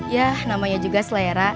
yah namanya juga selera